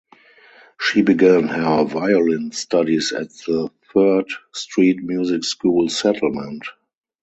She began her violin studies at the Third Street Music School Settlement.